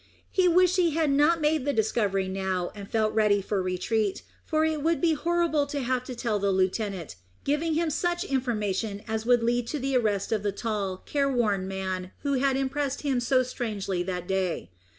He wished he had not made the discovery now, and felt ready to retreat, for it would be horrible to have to tell the lieutenant, giving him such information as would lead to the arrest of the tall, careworn man who had impressed him so strangely that day.